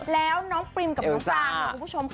แล้วน้องปริมกับน้องปรางเนี่ยคุณผู้ชมค่ะ